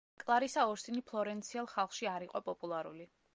კლარისა ორსინი ფლორენციელ ხალხში არ იყო პოპულარული.